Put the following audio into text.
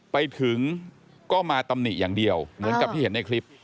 ไปถึงก็มาตำหนิอย่างเดียวเหมือนกับที่เห็นในคลิป